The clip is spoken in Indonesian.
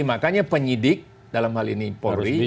makanya penyidik dalam hal ini polri